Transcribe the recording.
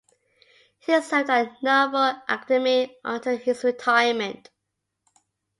He served at the Naval Academy until his retirement.